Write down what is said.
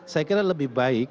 saya kira lebih baik